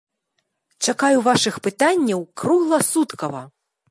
Чакаю вашых пытанняў кругласуткава!